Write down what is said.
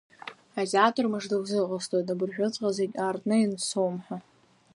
Атеатр мыжда узыҟасҵоит, абыржәыҵәҟьа зегь аартны иансоумҳәа!